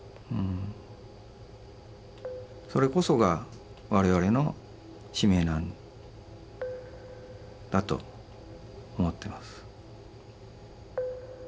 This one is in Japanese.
それこそが我々の使命なんだと思ってます。